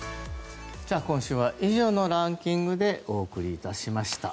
今週は以上のランキングでお送りいたしました。